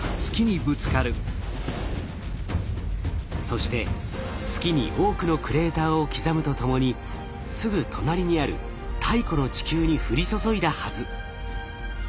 そして月に多くのクレーターを刻むとともにすぐ隣にある太古の地球に降り注いだはず。